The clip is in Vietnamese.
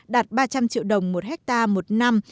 đạt ba trăm linh triệu đồng một hectare một năm